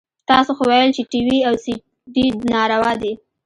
تاسو خو ويل چې ټي وي او سي ډي ناروا دي.